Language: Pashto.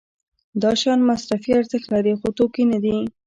دا شیان مصرفي ارزښت لري خو توکي نه دي.